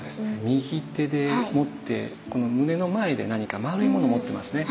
右手で持って胸の前で何かまあるいもの持ってますね。